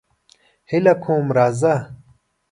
هیله کوم راځه.